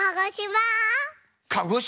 鹿児島？